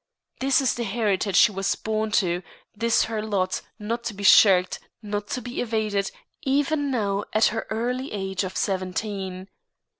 This is the heritage she was born to, this her lot, not to be shirked, not to be evaded even now at her early age of seventeen.